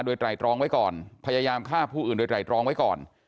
โดยไตรทรองไว้ก่อน